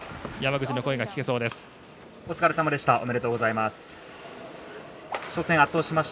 山口の声が聞けそうです。